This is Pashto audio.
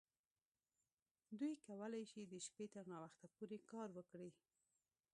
دوی کولی شي د شپې تر ناوخته پورې کار وکړي